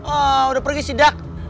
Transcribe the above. ah udah pergi sidak